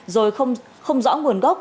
rồi không rõ nguồn gốc